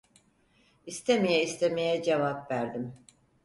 İstemeye istemeye cevap verdim.